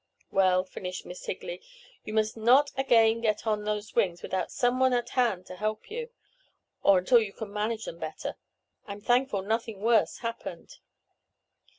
"Well," finished Miss Higley, "you must not again get on those wings without some one at hand to help you, or until you can manage them better. I'm thankful nothing worse happened."